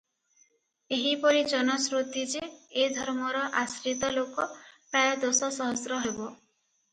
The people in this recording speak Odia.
ଏହିପରି ଜନଶ୍ରୁତି ଯେ ଏ ଧର୍ମର ଆଶ୍ରିତ ଲୋକ ପ୍ରାୟ ଦଶ ସହସ୍ର ହେବ ।